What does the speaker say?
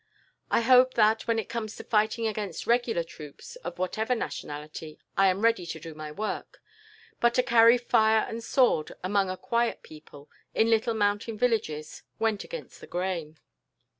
I hope that, when it comes to fighting against regular troops, of whatever nationality, I am ready to do my work; but to carry fire and sword among a quiet people, in little mountain villages, went against the grain.